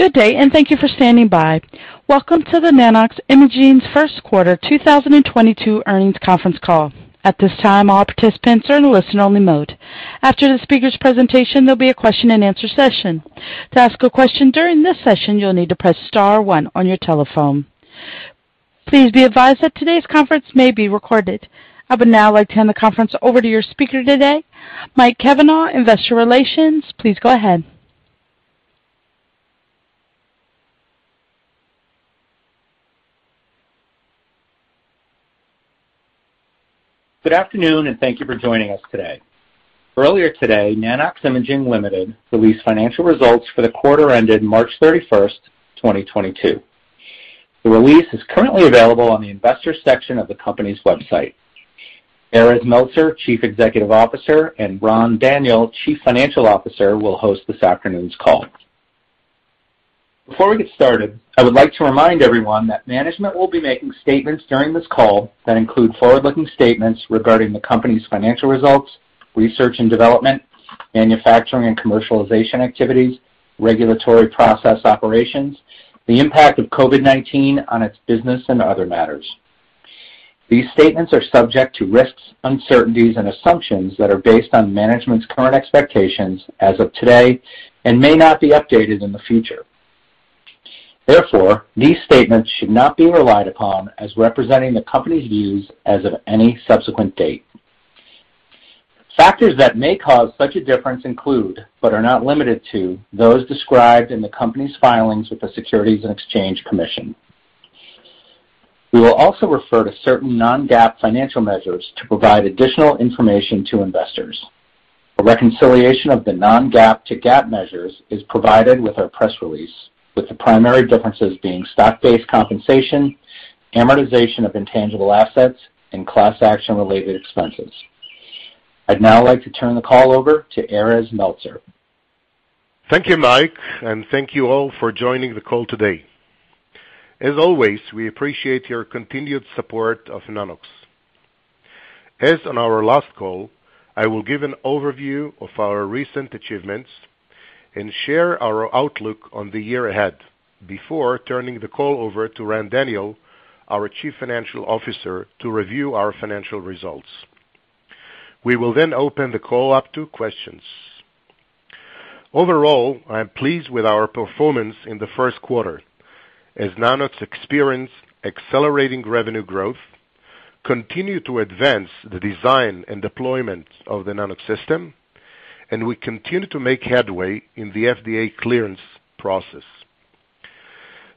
Good day, and thank you for standing by. Welcome to The Nanox Imaging's First Quarter 2022 Earnings Conference Call. At this time, all participants are in listen only mode. After the speaker's presentation, there'll be a question and answer session. To ask a question during this session, you'll need to press star one on your telephone. Please be advised that today's conference may be recorded. I would now like to hand the conference over to your speaker today, Mike Cavanaugh, Investor Relations. Please go ahead. Good afternoon, and thank you for joining us today. Earlier today, Nanox Imaging Ltd. released financial results for the quarter ended March 31, 2022. The release is currently available on the investors section of the company's website. Erez Meltzer, Chief Executive Officer, and Ran Daniel, Chief Financial Officer, will host this afternoon's call. Before we get started, I would like to remind everyone that management will be making statements during this call that include forward-looking statements regarding the company's financial results, research and development, manufacturing and commercialization activities, regulatory process operations, the impact of COVID-19 on its business and other matters. These statements are subject to risks, uncertainties, and assumptions that are based on management's current expectations as of today and may not be updated in the future. Therefore, these statements should not be relied upon as representing the company's views as of any subsequent date. Factors that may cause such a difference include, but are not limited to, those described in the company's filings with the Securities and Exchange Commission. We will also refer to certain non-GAAP financial measures to provide additional information to investors. A reconciliation of the non-GAAP to GAAP measures is provided with our press release, with the primary differences being stock-based compensation, amortization of intangible assets, and class action-related expenses. I'd now like to turn the call over to Erez Meltzer. Thank you, Mike, and thank you all for joining the call today. As always, we appreciate your continued support of Nanox. As on our last call, I will give an overview of our recent achievements and share our outlook on the year ahead before turning the call over to Ran Daniel, our Chief Financial Officer, to review our financial results. We will then open the call up to questions. Overall, I am pleased with our performance in the first quarter as Nanox experienced accelerating revenue growth, continued to advance the design and deployment of the Nanox system, and we continue to make headway in the FDA clearance process.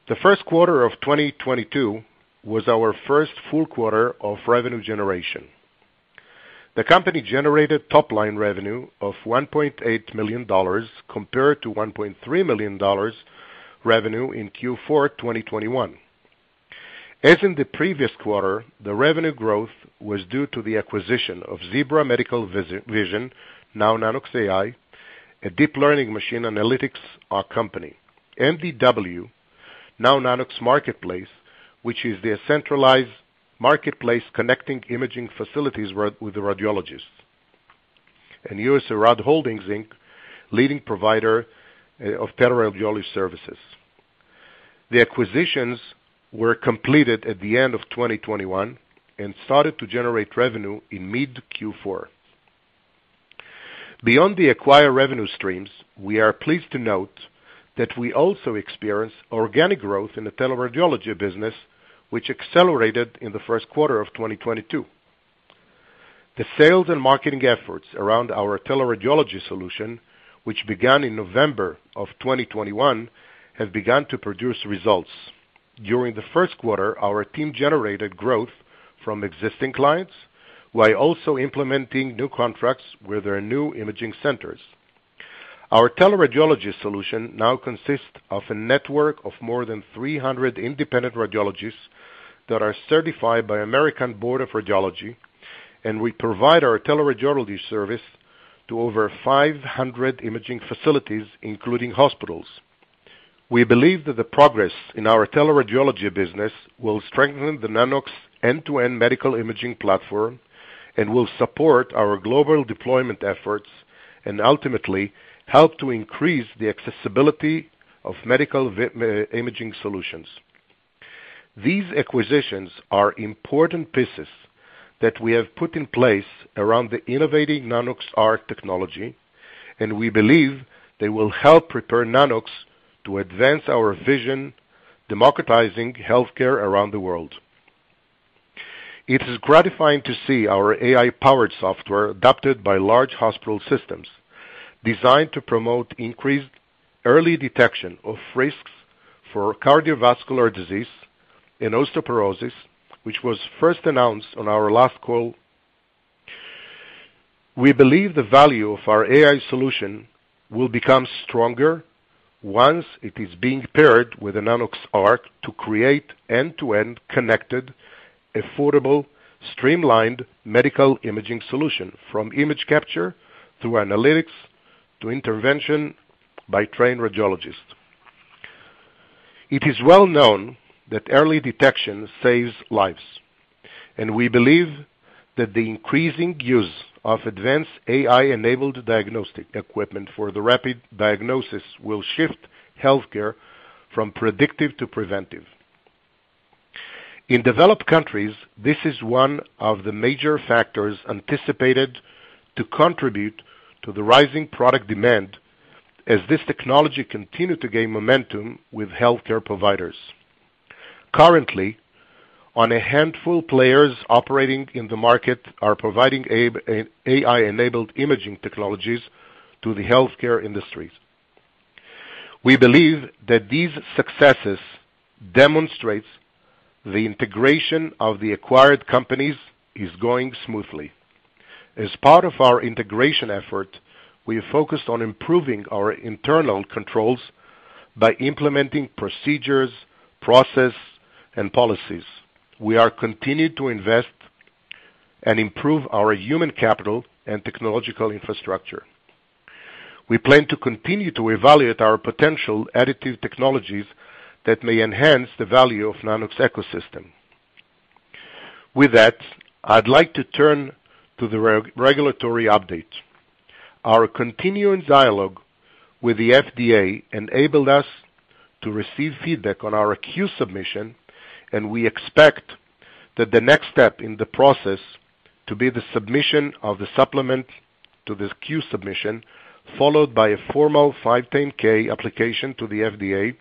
The first quarter of 2022 was our first full quarter of revenue generation. The company generated top-line revenue of $1.8 million compared to $1.3 million revenue in Q4 2021. As in the previous quarter, the revenue growth was due to the acquisition of Zebra Medical Vision, now Nanox.AI, a deep learning machine analytics company. MDWEB, now Nanox.MARKETPLACE, which is their decentralized marketplace connecting imaging facilities with the radiologists. USARAD Holdings, Inc., leading provider of Teleradiology Services. The acquisitions were completed at the end of 2021 and started to generate revenue in mid Q4. Beyond the acquired revenue streams, we are pleased to note that we also experienced organic growth in the Teleradiology business, which accelerated in the first quarter of 2022. The sales and marketing efforts around our teleradiology solution, which began in November of 2021, have begun to produce results. During the first quarter, our team generated growth from existing clients while also implementing new contracts with their new imaging centers. Our teleradiology solution now consists of a network of more than 300 independent radiologists that are certified by American Board of Radiology, and we provide our teleradiology service to over 500 imaging facilities, including hospitals. We believe that the progress in our Teleradiology business will strengthen the Nanox end-to-end medical imaging platform and will support our global deployment efforts and ultimately help to increase the accessibility of medical imaging solutions. These acquisitions are important pieces that we have put in place around the innovative Nanox.ARC technology, and we believe they will help prepare Nanox to advance our vision democratizing healthcare around the world. It is gratifying to see our AI-powered software adopted by large hospital systems designed to promote increased early detection of risks for cardiovascular disease and osteoporosis, which was first announced on our last call. We believe the value of our AI solution will become stronger once it is being paired with a Nanox.ARC to create end-to-end connected, affordable, streamlined medical imaging solution, from image capture to analytics to intervention by trained radiologists. It is well known that early detection saves lives, and we believe that the increasing use of advanced AI-enabled diagnostic equipment for the rapid diagnosis will shift healthcare from predictive to preventive. In developed countries, this is one of the major factors anticipated to contribute to the rising product demand as this technology continue to gain momentum with healthcare providers. Currently, only a handful of players operating in the market are providing an AI-enabled imaging technologies to the healthcare industries. We believe that these successes demonstrates the integration of the acquired companies is going smoothly. As part of our integration effort, we have focused on improving our internal controls by implementing procedures, processes, and policies. We have continued to invest and improve our human capital and technological infrastructure. We plan to continue to evaluate our potential additive technologies that may enhance the value of Nanox ecosystem. With that, I'd like to turn to the regulatory update. Our continuing dialogue with the FDA enabled us to receive feedback on our Q submission, and we expect that the next step in the process to be the submission of the supplement to the Q submission, followed by a formal 510(k) application to the FDA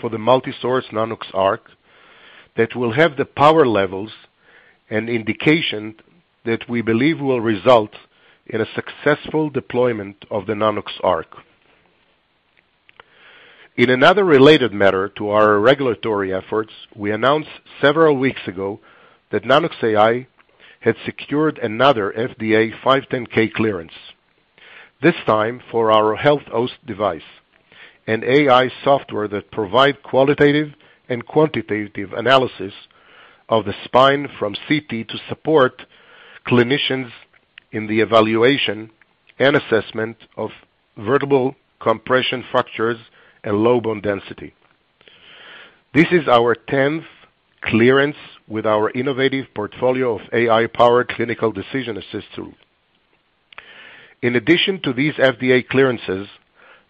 for the multi-source Nanox.ARC that will have the power levels and indication that we believe will result in a successful deployment of the Nanox.ARC. In another related matter to our regulatory efforts, we announced several weeks ago that Nanox.AI had secured another FDA 510(k) clearance, this time for our HealthOST device, an AI software that provide qualitative and quantitative analysis of the spine from CT to support clinicians in the evaluation and assessment of vertebral compression fractures and low bone density. This is our 10th clearance with our innovative portfolio of AI-powered clinical decision assist tools. In addition to these FDA clearances,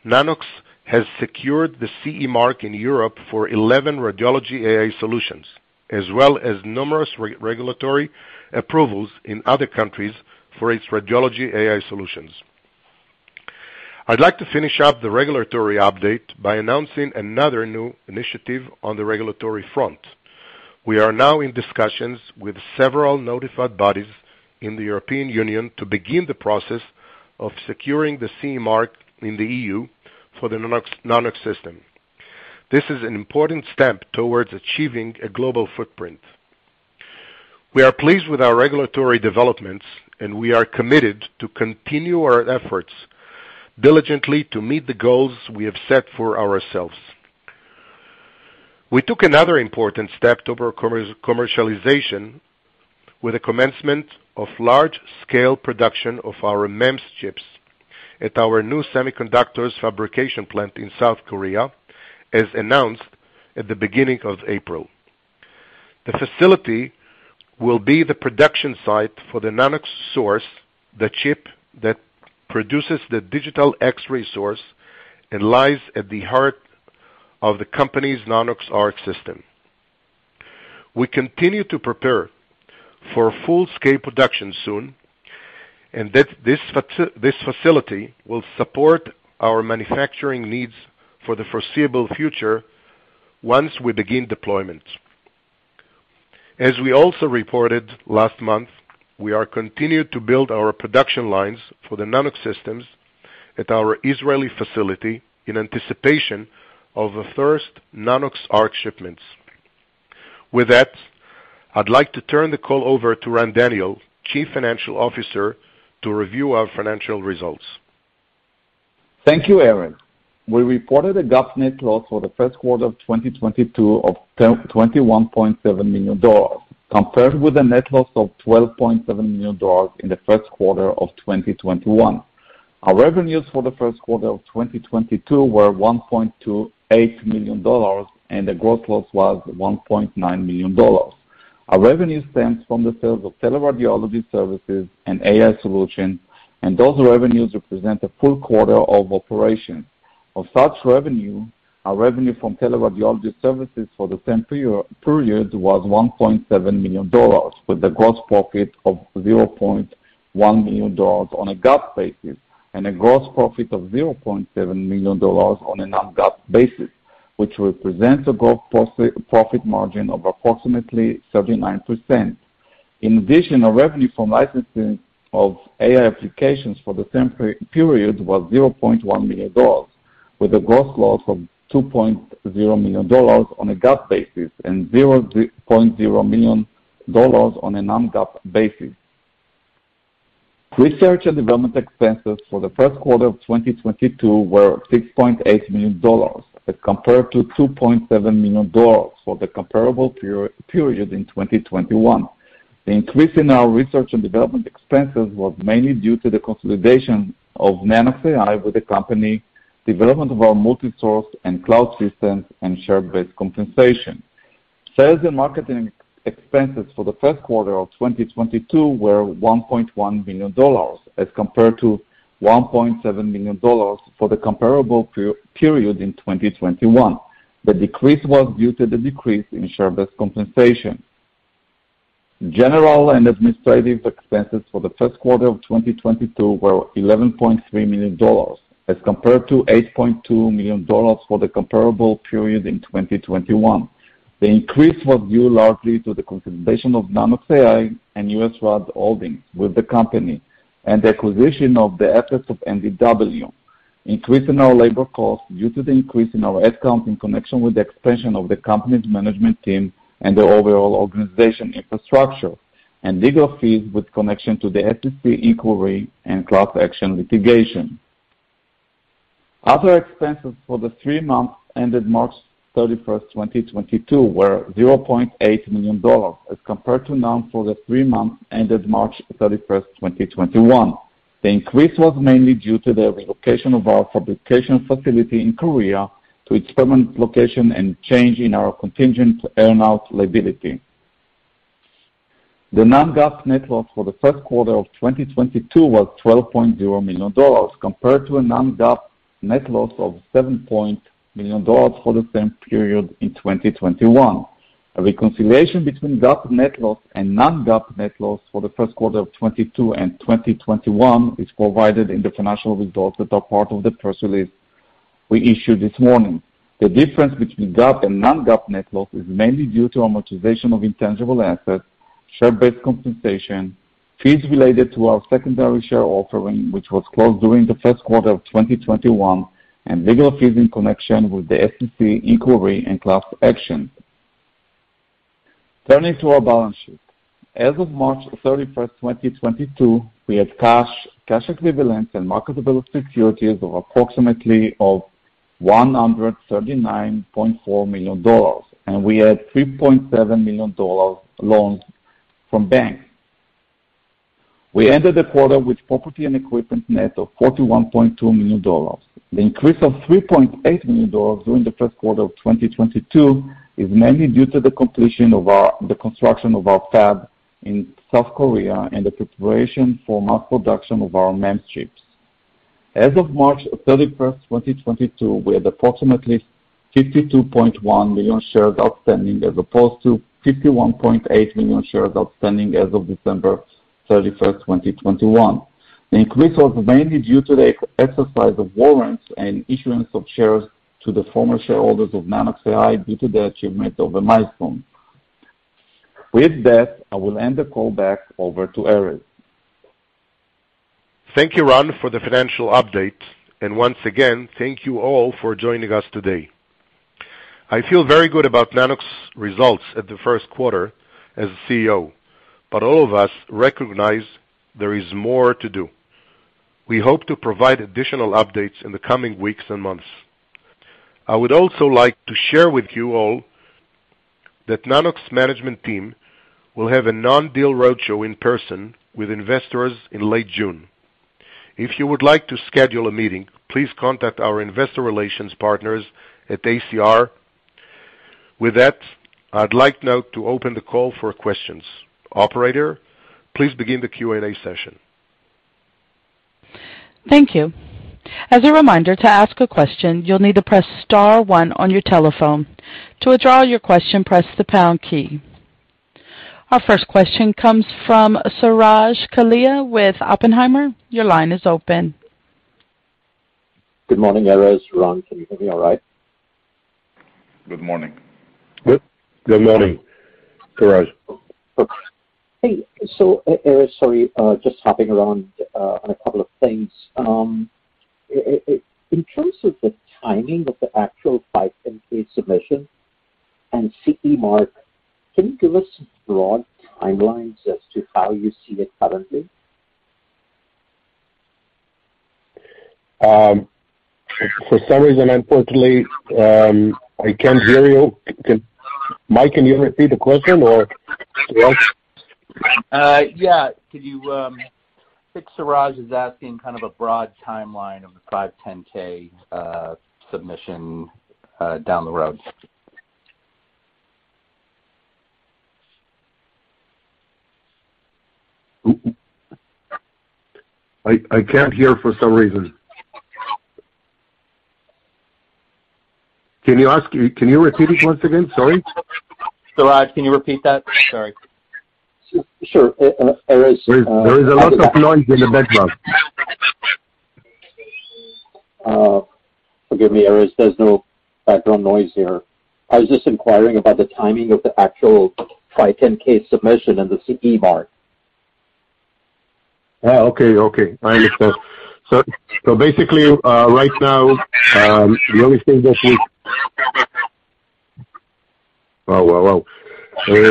Nanox has secured the CE mark in Europe for 11 radiology AI solutions, as well as numerous regulatory approvals in other countries for its radiology AI solutions. I'd like to finish up the regulatory update by announcing another new initiative on the regulatory front. We are now in discussions with several notified bodies in the European Union to begin the process of securing the CE mark in the E.U. for the Nanox.ARC system. This is an important step towards achieving a global footprint. We are pleased with our regulatory developments, and we are committed to continue our efforts diligently to meet the goals we have set for ourselves. We took another important step to our commercialization with a commencement of large-scale production of our MEMS chips at our new semiconductor fabrication plant in South Korea, as announced at the beginning of April. The facility will be the production site for the Nanox.SOURCE, the chip that produces the digital X-ray source and lies at the heart of the company's Nanox.ARC system. We continue to prepare for full-scale production soon, and that this facility will support our manufacturing needs for the foreseeable future once we begin deployment. As we also reported last month, we continue to build our production lines for the Nanox systems at our Israeli facility in anticipation of the first Nanox.ARC shipments. With that, I'd like to turn the call over to Ran Daniel, Chief Financial Officer, to review our financial results. Thank you, Erez. We reported a GAAP net loss for the first quarter of 2022 of $21.7 million, compared with a net loss of $12.7 million in the first quarter of 2021. Our revenues for the first quarter of 2022 were $1.28 million, and the gross loss was $1.9 million. Our revenue stems from the sales of Teleradiology Services and AI solution, and those revenues represent a full quarter of operation. Of such revenue, our revenue from Teleradiology Services for the same period was $1.7 million, with a gross profit of $0.1 million on a GAAP basis and a gross profit of $0.7 million on a non-GAAP basis, which represents a gross profit margin of approximately 39%. In addition, our revenue from licensing of AI applications for the same period was $0.1 million, with a gross loss of $2.0 million on a GAAP basis and $0.0 million on a non-GAAP basis. Research and development expenses for the first quarter of 2022 were $6.8 million as compared to $2.7 million for the comparable period in 2021. The increase in our research and development expenses was mainly due to the consolidation of Nanox.AI with the company, development of our multi-source and cloud systems, and share-based compensation. Sales and marketing expenses for the first quarter of 2022 were $1.1 billion as compared to $1.7 million for the comparable period in 2021. The decrease was due to the decrease in share-based compensation. General and Administrative expenses for the first quarter of 2022 were $11.3 million as compared to $8.2 million for the comparable period in 2021. The increase was due largely to the consolidation of Nanox.AI and USARAD Holdings with the company and the acquisition of the assets of MDWEB. Increase in our labor costs due to the increase in our headcount in connection with the expansion of the company's management team and the overall organization infrastructure, and legal fees with connection to the SEC inquiry and class action litigation. Other expenses for the three months ended March 31, 2022 were $0.8 million as compared to none for the three months ended March 31, 2021. The increase was mainly due to the relocation of our fabrication facility in Korea to its permanent location and change in our contingent earn-out liability. The non-GAAP net loss for the first quarter of 2022 was $12.0 million, compared to a non-GAAP net loss of $7.0 million for the same period in 2021. A reconciliation between GAAP net loss and non-GAAP net loss for the first quarter of 2022 and 2021 is provided in the financial results that are part of the press release we issued this morning. The difference between GAAP and non-GAAP net loss is mainly due to amortization of intangible assets, share-based compensation, fees related to our secondary share offering, which was closed during the first quarter of 2021, and legal fees in connection with the SEC inquiry and class action. Turning to our balance sheet. As of March 31, 2022, we had cash equivalents, and marketable securities of approximately $139.4 million, and we had $3.7 million loans from bank. We ended the quarter with property and equipment net of $41.2 million. The increase of $3.8 million during the first quarter of 2022 is mainly due to the completion of the construction of our fab in South Korea and the preparation for mass production of our MEMS chips. As of March 31, 2022, we had approximately 52.1 million shares outstanding, as opposed to 51.8 million shares outstanding as of December 31, 2021. The increase was mainly due to the exercise of warrants and issuance of shares to the former shareholders of Nanox.AI due to the achievement of a milestone. With that, I will hand the call back over to Erez. Thank you, Ran, for the financial update. Once again, thank you all for joining us today. I feel very good about Nanox results at the first quarter as CEO, but all of us recognize there is more to do. We hope to provide additional updates in the coming weeks and months. I would also like to share with you all that Nanox management team will have a non-deal roadshow in person with investors in late June. If you would like to schedule a meeting, please contact our investor relations partners at ICR. With that, I'd like now to open the call for questions. Operator, please begin the Q&A session. Thank you. As a reminder, to ask a question, you'll need to press star one on your telephone. To withdraw your question, press the pound key. Our first question comes from Suraj Kalia with Oppenheimer. Your line is open. Good morning, Erez, Ran. Can you hear me all right? Good morning. Good morning, Suraj. Hey. Erez, sorry, just hopping around on a couple of things. In terms of the timing of the actual 510(k) submission and CE mark, can you give us some broad timelines as to how you see it currently? For some reason, unfortunately, I can't hear you. Mike, can you repeat the question or? Yeah. Could you, I think Suraj is asking kind of a broad timeline of the 510(k) submission down the road. I can't hear for some reason. Can you repeat it once again? Sorry. Suraj, can you repeat that? Sorry. Sure. Erez- There is a lot of noise in the background. Forgive me, Erez. There's no background noise here. I was just inquiring about the timing of the actual 510(k) submission and the CE mark. Oh, okay. I understand. Oh, whoa. Maybe it's in my phone. One second. Okay. Right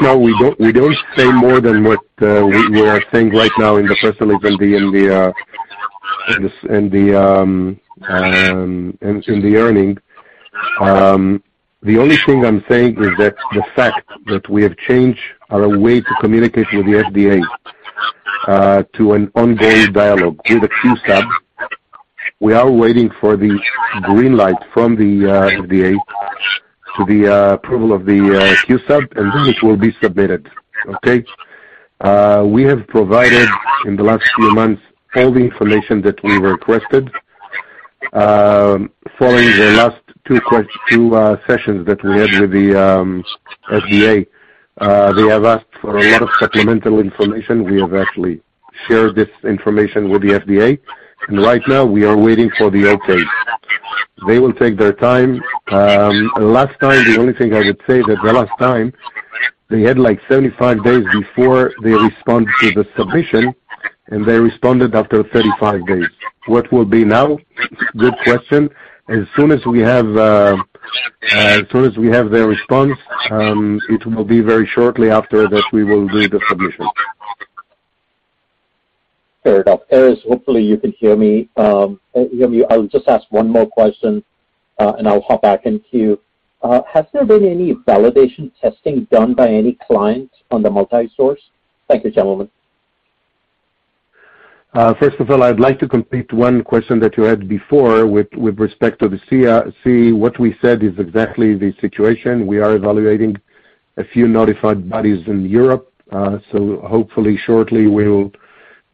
now we don't say more than what we are saying right now in the press release and in the. in the earnings. The only thing I'm saying is that the fact that we have changed our way to communicate with the FDA to an ongoing dialogue with the Q-Sub, we are waiting for the green light from the FDA to the approval of the Q-Sub, and then it will be submitted. Okay? We have provided in the last few months all the information that we requested, following the last two sessions that we had with the FDA, they have asked for a lot of supplemental information. We have actually shared this information with the FDA, and right now we are waiting for the okay. They will take their time. Last time, the only thing I would say that the last time they had, like, 75 days before they respond to the submission, and they responded after 35 days. What will be now? Good question. As soon as we have their response, it will be very shortly after that we will do the submission. Fair enough. Erez, hopefully you can hear me. I'll just ask one more question, and I'll hop back in queue. Has there been any validation testing done by any clients on the multi-source? Thank you, gentlemen. First of all, I'd like to complete one question that you had before with respect to the CE. What we said is exactly the situation. We are evaluating a few notified bodies in Europe. Hopefully shortly we'll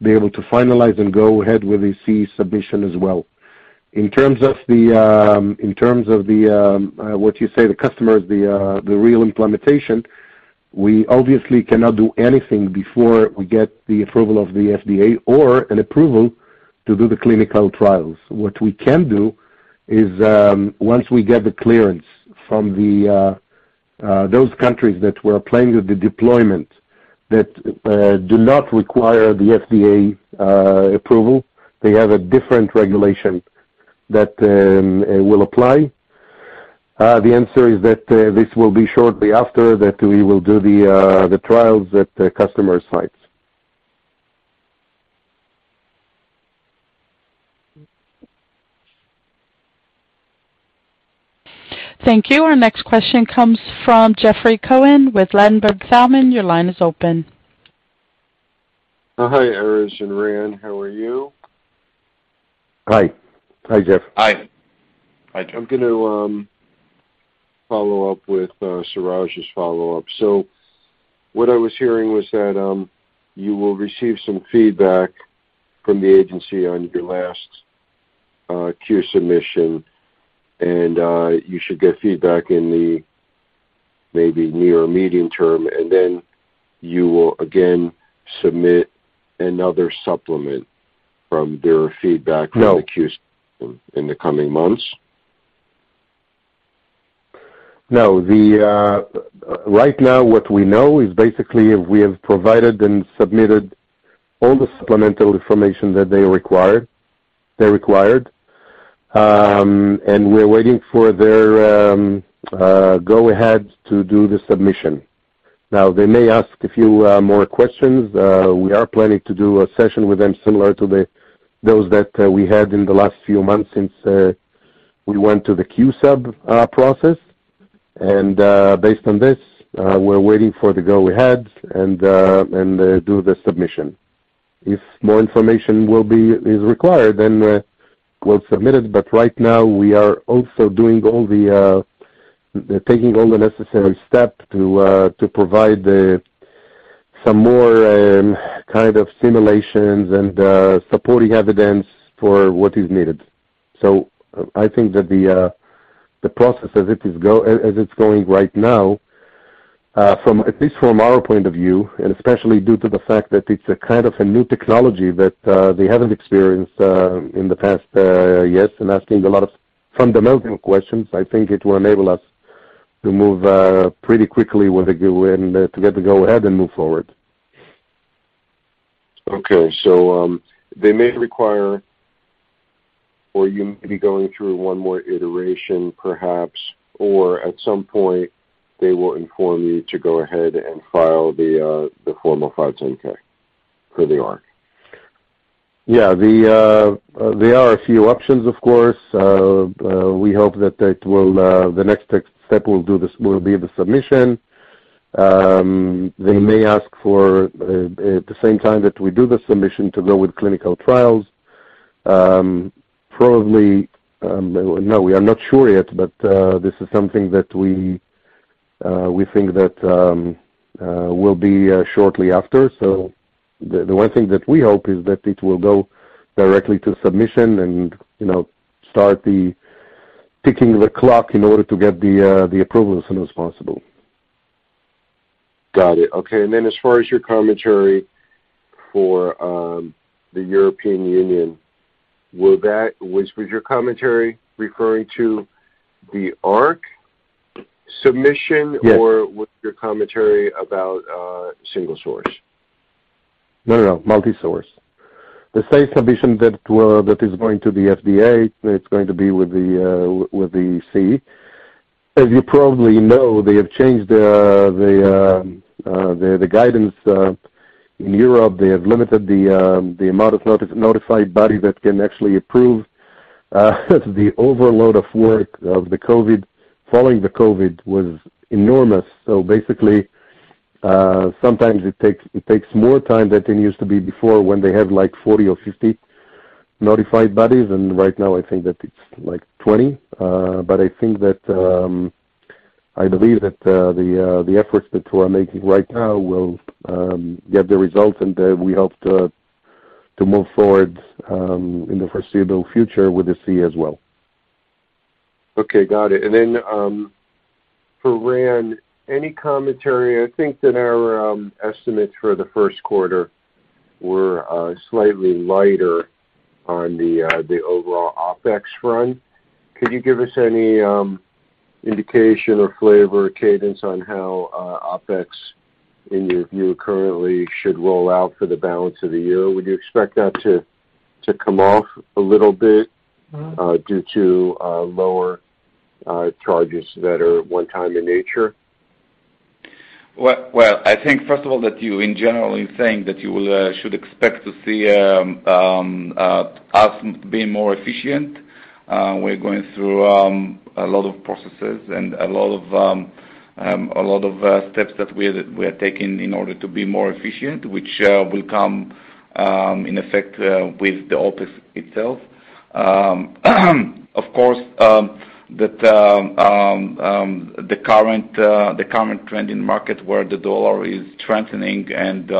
be able to finalize and go ahead with the CE submission as well. In terms of what you say, the customers, the real implementation, we obviously cannot do anything before we get the approval of the FDA or an approval to do the clinical trials. What we can do is once we get the clearance from those countries that we're planning the deployment that do not require the FDA approval, they have a different regulation that will apply. The answer is that this will be shortly after that we will do the trials at the customer sites. Thank you. Our next question comes from Jeffrey Cohen with Ladenburg Thalmann. Your line is open. Hi, Erez and Ran. How are you? Hi. Hi, Jeff. Hi. I'm gonna follow up with Suraj's follow-up. What I was hearing was that you will receive some feedback from the agency on your last Q-Sub, and you should get feedback in the maybe near or medium term, and then you will again submit another supplement from their feedback. No. From the Q in the coming months. No. The right now what we know is basically we have provided and submitted all the supplemental information that they required, and we're waiting for their go ahead to do the submission. Now, they may ask a few more questions. We are planning to do a session with them similar to those that we had in the last few months since we went to the Q-Sub process. Based on this, we're waiting for the go ahead and do the submission. If more information is required, then we'll submit it. But right now we are also taking all the necessary steps to provide some more kind of simulations and supporting evidence for what is needed. I think that the process as it's going right now, from at least from our point of view, and especially due to the fact that it's a kind of a new technology that they haven't experienced in the past years and asking a lot of fundamental questions, I think it will enable us to move pretty quickly with the go and to get the go ahead and move forward. They may require or you may be going through one more iteration perhaps, or at some point they will inform you to go ahead and file the formal 510(k) for the ARC. Yeah. There are a few options of course. We hope that the next step will be the submission. They may ask for at the same time that we do the submission to go with clinical trials. Probably, no, we are not sure yet, but this is something that we think that will be shortly after. The one thing that we hope is that it will go directly to submission and, you know, start ticking the clock in order to get the approval as soon as possible. Got it. Okay. As far as your commentary for the European Union, was your commentary referring to the ARC submission? Yes. Was your commentary about single source? No, no, multi-source. The same submission that is going to the FDA, it's going to be with the CE. As you probably know, they have changed the guidance in Europe. They have limited the amount of notified body that can actually approve, the overload of work following the COVID was enormous. So basically, sometimes it takes more time than it used to be before when they had like 40 or 50 notified bodies, and right now I think that it's like 20. But I think that I believe that the efforts that we're making right now will get the results and that we hope to move forward in the foreseeable future with the CE as well. Okay, got it. For Ran, any commentary, I think that our estimates for the first quarter were slightly lighter on the overall OpEx front. Could you give us any indication or flavor cadence on how OpEx in your view currently should roll out for the balance of the year? Would you expect that to come off a little bit due to lower charges that are one-time in nature? Well, I think first of all that you in general should expect to see us being more efficient. We're going through a lot of processes and a lot of steps that we are taking in order to be more efficient, which will come in effect with the OpEx itself. Of course, the current trend in market where the dollar is strengthening and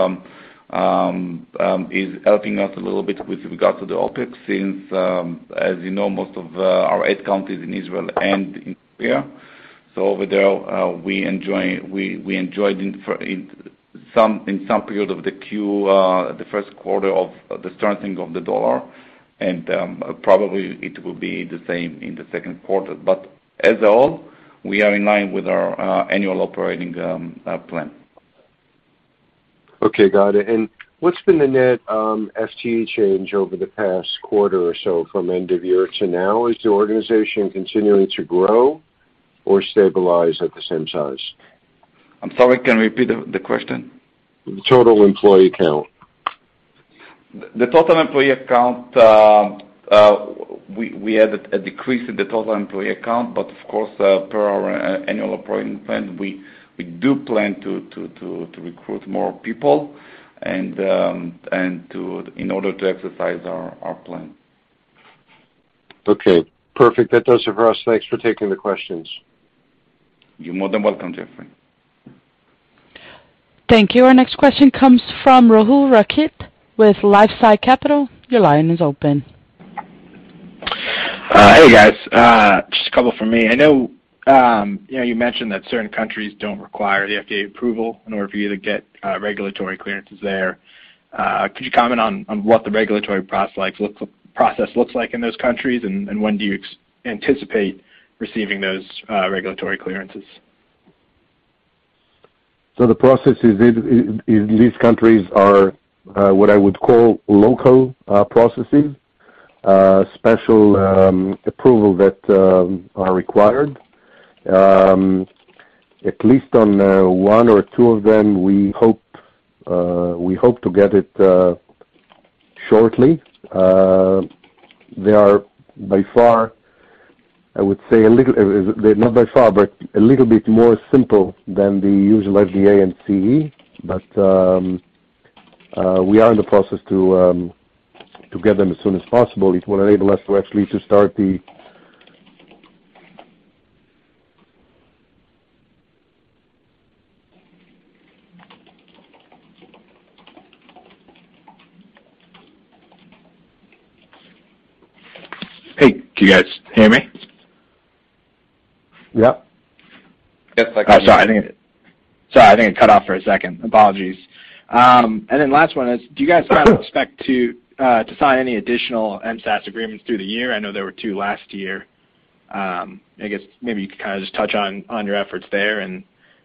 is helping us a little bit with regard to the OpEx since, as you know, most of our eight countries in Israel and in Korea. Over there, we enjoyed in some period of the first quarter the strengthening of the U.S. dollar, and probably it will be the same in the second quarter. As always, we are in line with our annual operating plan. Okay, got it. What's been the net FTE change over the past quarter or so from end of year to now? Is the organization continuing to grow or stabilize at the same size? I'm sorry, can you repeat the question? The total employee count. The total employee count, we had a decrease in the total employee count, but of course, per our annual operating plan, we do plan to recruit more people and in order to exercise our plan. Okay, perfect. That does it for us. Thanks for taking the questions. You're more than welcome, Jeffrey. Thank you. Our next question comes from Rahul Rakhit with LifeSci Capital. Your line is open. Hey, guys. Just a couple from me. I know you mentioned that certain countries don't require the FDA approval in order for you to get regulatory clearances there. Could you comment on what the regulatory process looks like in those countries, and when do you anticipate receiving those regulatory clearances? The process is these countries are what I would call local processes, special approval that are required. At least on one or two of them, we hope to get it shortly. They are by far, I would say, a little not by far, but a little bit more simple than the usual FDA and CE. We are in the process to get them as soon as possible. It will enable us to actually to start the Hey, can you guys hear me? Yep. Yes, I can hear you. Oh, sorry. Sorry, I think it cut off for a second. Apologies. Last one is, do you guys kind of expect to sign any additional MSaaS agreements through the year? I know there were two last year. I guess maybe you could kinda just touch on your efforts there and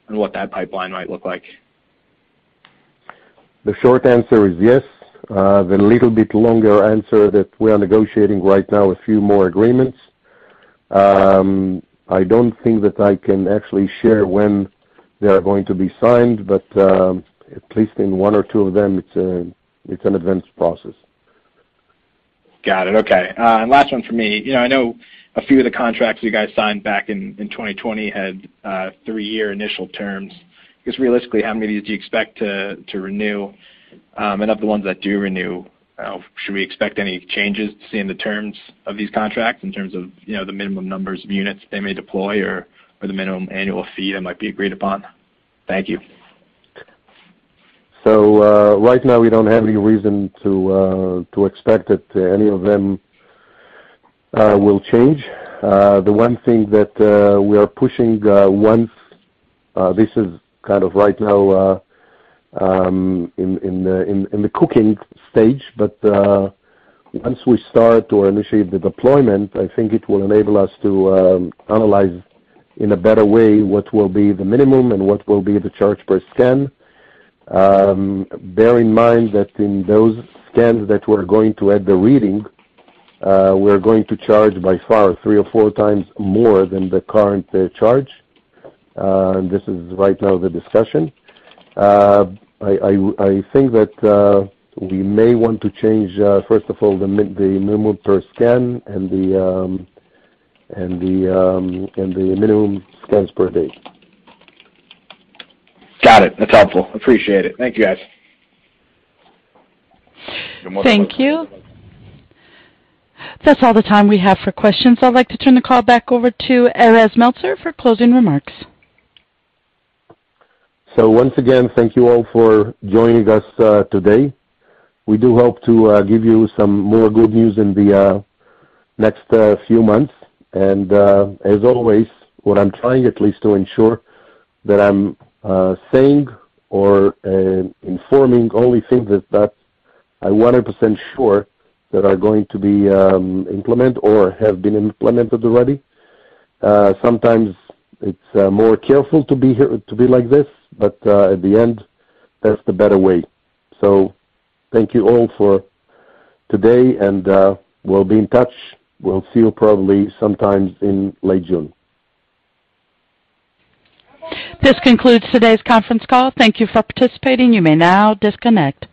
what that pipeline might look like. The short answer is yes. The little bit longer answer that we are negotiating right now a few more agreements. I don't think that I can actually share when they are going to be signed, but at least in one or two of them, it's an advanced process. Got it. Okay. Last one for me. You know, I know a few of the contracts you guys signed back in 2020 had three-year initial terms. Just realistically, how many of these do you expect to renew? Of the ones that do renew, should we expect any changes to see in the terms of these contracts in terms of, you know, the minimum numbers of units they may deploy or the minimum annual fee that might be agreed upon? Thank you. Right now we don't have any reason to expect that any of them will change. The one thing that we are pushing once this is kind of right now in the cooking stage. Once we start or initiate the deployment, I think it will enable us to analyze in a better way what will be the minimum and what will be the charge per scan. Bear in mind that in those scans that we're going to add the reading, we're going to charge by far three or four times more than the current charge. This is right now the discussion. I think that we may want to change, first of all, the minimum per scan and the minimum scans per day. Got it. That's helpful. Appreciate it. Thank you, guys. You're more than welcome. Thank you. That's all the time we have for questions. I'd like to turn the call back over to Erez Meltzer for closing remarks. Once again, thank you all for joining us today. We do hope to give you some more good news in the next few months. As always, what I'm trying at least to ensure that I'm saying or informing only things that I'm 100% sure that are going to be implement or have been implemented already. Sometimes it's more careful to be here, to be like this, but at the end, that's the better way. Thank you all for today, and we'll be in touch. We'll see you probably sometime in late June. This concludes today's conference call. Thank you for participating. You may now disconnect.